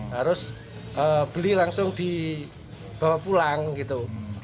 harus beli langsung dibawa pulang gitu